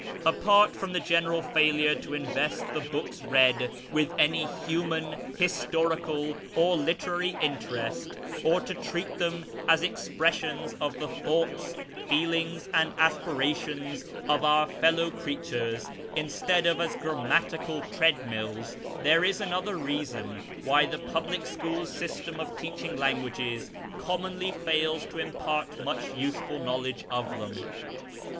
Apart from the general failure to invest the books read with any human, historical, or literary interest, or to treat them as expressions of the thoughts, feelings, and aspirations of our fellow creatures instead of as grammatical tread mills, there is another reason why the public school system of teaching languages commonly fails to impart much useful knowledge of them.